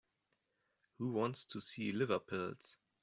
Who wants to see liver pills?